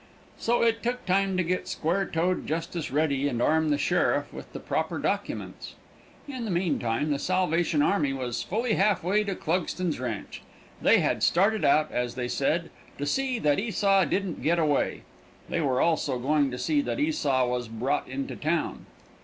So it took time to get square toed justice ready and arm the sheriff with the proper documents. In the meantime the Salvation army was fully half way to Clugston's ranch. They had started out, as they said, "to see that Esau didn't get away." They were also going to see that Esau was brought into town.